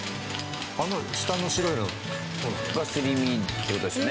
あの下の白いの。がすり身って事ですよね。